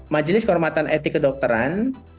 majelis kehormatan etik kedokteran